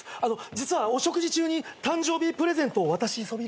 実はお食事中に誕生日プレゼントを渡しそびれてしまいまして。